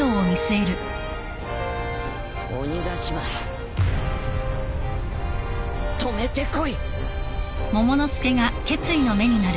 鬼ヶ島止めてこい！